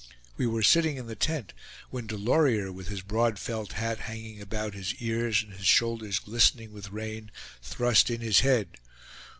We were sitting in the tent, when Delorier, with his broad felt hat hanging about his ears, and his shoulders glistening with rain, thrust in his head.